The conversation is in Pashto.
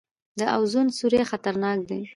د اوزون سورۍ خطرناک دی